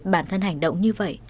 bản thân hành động như vậy